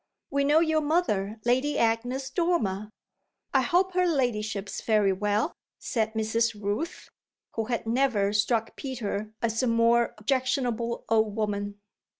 "We know your mother, Lady Agnes Dormer. I hope her ladyship's very well," said Mrs. Rooth, who had never struck Peter as a more objectionable old woman.